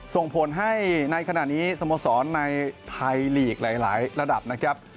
ส่งผลให้ในขณะนี้สโมสรในไทยลีกหลายระดับนะครับ